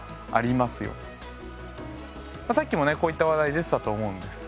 さっきもねこういった話題出てたと思うんです。